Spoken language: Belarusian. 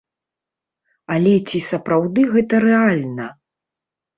Але ці сапраўды гэта рэальна?